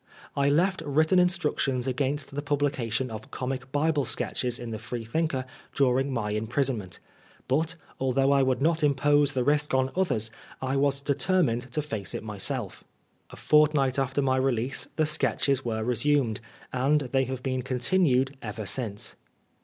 I left written instructions against the publication of Comic Bible Sketches in the Freethinker during my imprisonment ; but although I would not impose the risk on others, I was determined to &ce it myself. A fortnight after my release the Sketches were resumed, and they have been continued ever since.